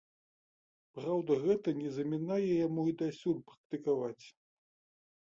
Праўда, гэта не замінае яму і дасюль практыкаваць.